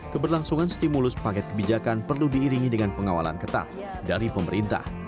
keberlangsungan stimulus paket kebijakan perlu diiringi dengan pengawalan ketat dari pemerintah